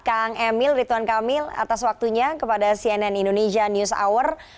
kang emil rituan kamil atas waktunya kepada cnn indonesia news hour